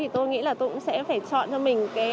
thì tôi nghĩ là tôi cũng sẽ phải chọn cho mình